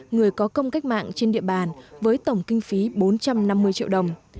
người có công cách mạng trên địa bàn với tổng kinh phí bốn trăm năm mươi triệu đồng